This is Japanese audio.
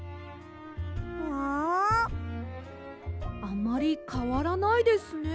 あまりかわらないですね。